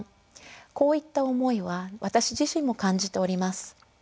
こういった思いは私自身も感じております。